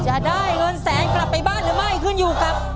จะได้เงินแสนกลับไปบ้านหรือไม่ขึ้นอยู่กับ